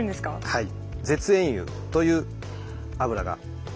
はい。